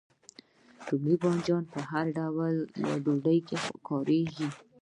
رومي بانجان په هر ډول ډوډۍ کې کاریږي.